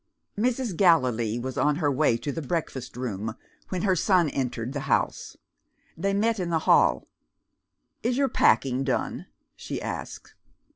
Mrs. Gallilee was on her way to the breakfast room, when her son entered the house. They met in the hall. "Is your packing done?" she asked.